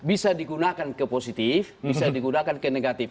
bisa digunakan ke positif bisa digunakan ke negatif